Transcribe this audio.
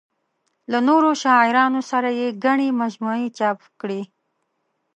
له نورو شاعرانو سره یې ګڼې مجموعې چاپ کړې.